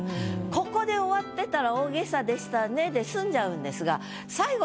ここで終わってたら大げさでしたねで済んじゃうんですが最後